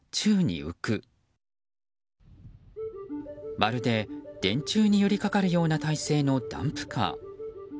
まるで電柱に寄り掛かるような体勢のダンプカー。